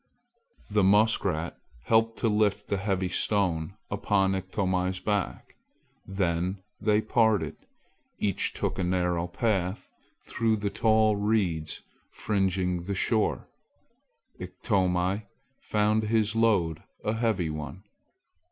The muskrat helped to lift the heavy stone upon Iktomi's back. Then they parted. Each took a narrow path through the tall reeds fringing the shore. Iktomi found his load a heavy one.